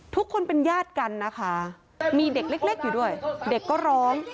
ทุกคนเป็นญาติกันนะคะมีเด็กเล็กอยู่ด้วยเด็กก็ร้อง